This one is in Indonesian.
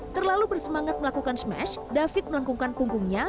terlalu bersemangat melakukan smash david melengkungkan punggungnya